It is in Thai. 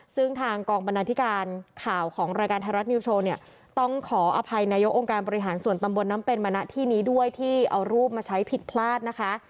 ซึ่งทางกองบรรณาธิการข่าวของรายการไทยรัฐนิวโชว์เนี่ยต้องขออภัยนายกองค์การบริหารส่วนตำบลน้ำเป็นมาณที่นี้ด้วยที่เอารูปมาใช้ผิดพลาดนะคะ